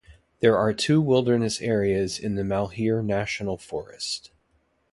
There are two wilderness areas in the Malheur National Forest.